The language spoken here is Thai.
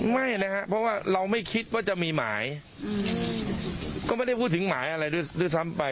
ไม่นะครับเพราะว่าเราไม่คิดว่าจะมีหมายก็ไม่ได้พูดถึงหมายอะไรด้วยซ้ำไป